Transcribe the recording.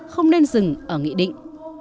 không nên dừng ở nghị định